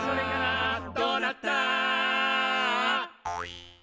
「どうなった？」